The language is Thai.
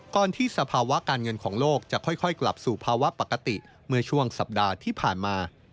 ที่สภาวะการเงินของโลกจะค่อยกลับสู่ภาวะปกติเมื่อช่วงสัปดาห์ที่ผ่านมา